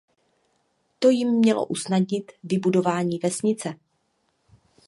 To jim mělo usnadnit vybudování vesnice.